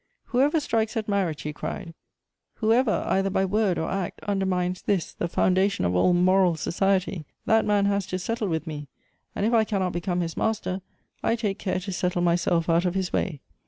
" Whoever strikes at marriage," he cried ;—" whoever, either by word or act, undermines this, the foundation of all moral society, that man has to settle with me, and if I cannot become his master, I take care to settle myself out of his way.